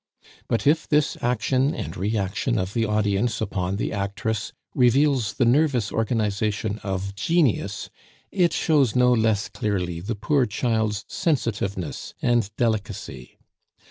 But if this action and reaction of the audience upon the actress reveals the nervous organization of genius, it shows no less clearly the poor child's sensitiveness and delicacy.